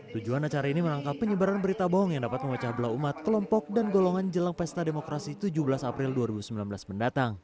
tujuan acara ini menangkap penyebaran berita bohong yang dapat memecah belah umat kelompok dan golongan jelang pesta demokrasi tujuh belas april dua ribu sembilan belas mendatang